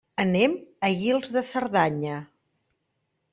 Anem a Guils de Cerdanya.